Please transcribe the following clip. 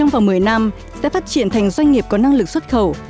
vào một mươi năm sẽ phát triển thành doanh nghiệp có năng lực xuất khẩu